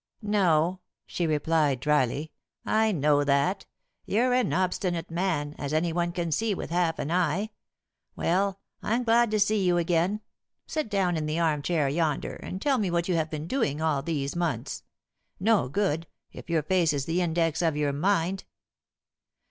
"No," she replied dryly, "I know that. You're an obstinate man, as any one can see with half an eye. Well, I'm glad to see you again. Sit down in the armchair yonder and tell me what you have been doing all these months. No good, if your face is the index of your mind."